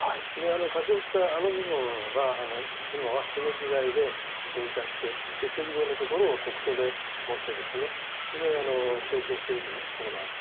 欠け落ちた部分は今はひのき材で継ぎ足して、継ぎ目のところをこくそでもって成形しているところなんです。